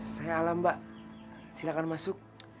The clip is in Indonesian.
saya alam mbak silakan masuk